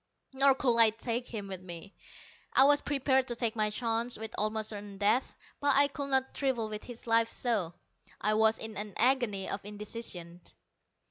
Nor could I take him with me. I was prepared to take my chances with almost certain death, but I could not trifle with his life so. I was in an agony of indecision.